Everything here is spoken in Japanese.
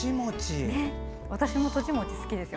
私もとち餅好きですよ。